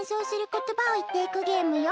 ことばをいっていくゲームよ。